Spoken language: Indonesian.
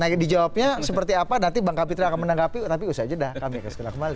nah dijawabnya seperti apa nanti bang kapitra akan menanggapi tapi usah aja dah kami akan segera kembali